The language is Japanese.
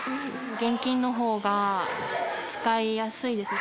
現金のほうが使いやすいですね。